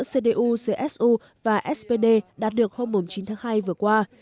cdu csu và spd đạt được hôm chín tháng hai vừa qua